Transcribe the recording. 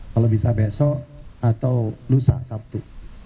kalau bisa besok atau lusa sabtu